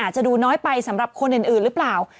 จะดูน้อยไปสำหรับคนอื่นหรือเปล่า